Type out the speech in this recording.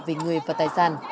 về người và tài sản